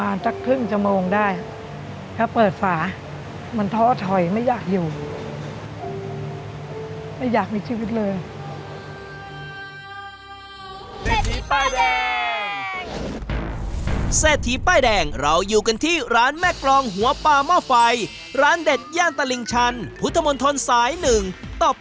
อ่าแม่เริ่มเลยอันนี้คืออันนี้หัวอันนี้หัวอันนี้เนื้อ